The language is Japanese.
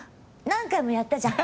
何回もやったじゃん。